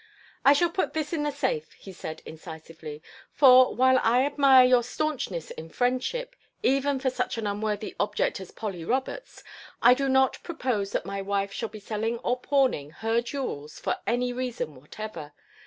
"I shall put this in the safe," he said incisively, "for, while I admire your stanchness in friendship, even for such an unworthy object as Polly Roberts, I do not propose that my wife shall be selling or pawning her jewels for any reason whatever.